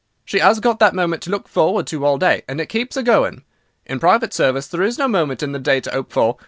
She 'as got that moment to look forward to all day, and it keeps 'er going. In private service there's no moment in the day to 'ope for.